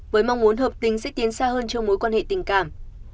với mong muốn hợp tình sẽ tiến xa hơn trong mối quan hệ tình cảm